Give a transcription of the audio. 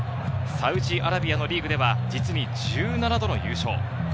サウジアラビアのリーグでは実に１７度の優勝。